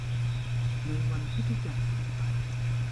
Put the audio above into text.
ในวันที่ทุกอย่างเปลี่ยนไป